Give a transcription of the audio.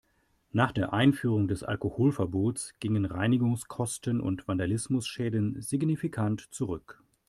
Nach der Einführung des Alkoholverbots gingen Reinigungskosten und Vandalismusschäden signifikant zurück.